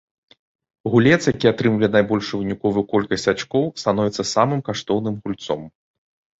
Гулец, які атрымлівае найбольшую выніковую колькасць ачкоў, становіцца самым каштоўным гульцом.